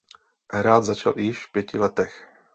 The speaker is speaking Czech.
Hrát začal již v pěti letech.